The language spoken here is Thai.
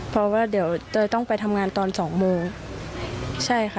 เพราะว่าเดี๋ยวเตยต้องไปทำงานตอนสองโมงใช่ค่ะ